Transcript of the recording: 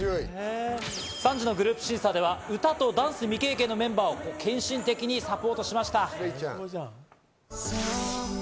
３次のグループ審査では歌とダンス未経験のメンバーを献身的にサポートしました。